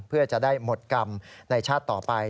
เพื่อจะได้หมดกรรมในชาติต่อไป